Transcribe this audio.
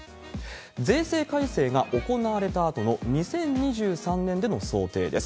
税制改正が行われたあとの２０２３年での想定です。